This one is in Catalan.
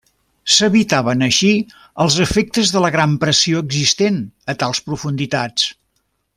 S'evitaven així els efectes de la gran pressió existent a tals profunditats.